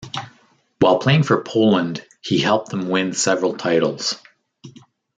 While playing for Poland, he helped them win several titles.